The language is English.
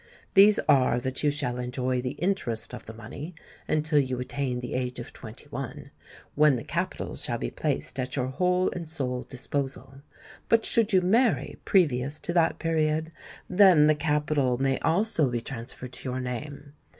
These are that you shall enjoy the interest of the money until you attain the age of twenty one, when the capital shall be placed at your whole and sole disposal; but should you marry previous to that period, then the capital may also be transferred to your name.